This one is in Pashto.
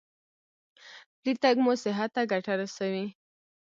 پلی تګ مو صحت ته ګټه رسوي.